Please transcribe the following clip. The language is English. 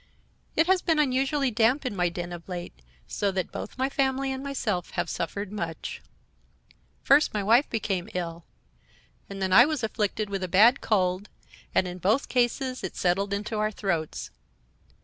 "It has been unusually damp in my den of late, so that both my family and myself have suffered much. First my wife became ill, and then I was afflicted with a bad cold, and in both cases it settled in our throats.